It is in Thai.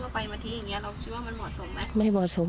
เราคิดว่ามันเหมาะสมไหม